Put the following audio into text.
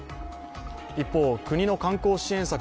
一方、国の観光支援策